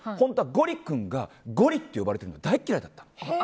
ゴリ君がゴリって呼ばれてるのが大嫌いだったの。